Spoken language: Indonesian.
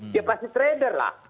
dia pasti trader lah